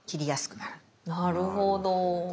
なるほど。